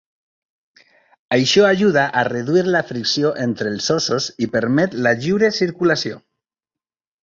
Això ajuda a reduir la fricció entre els ossos i permet la lliure circulació.